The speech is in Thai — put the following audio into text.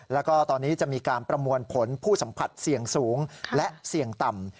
แล้วก็ตอนนี้จะมีการประมวลผลผู้สัมผัสเสี่ยงสูงและเสี่ยงต่ำ